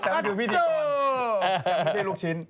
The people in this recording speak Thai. ช้ำคือพิธีกรช้ำไม่คือลูกชิ้น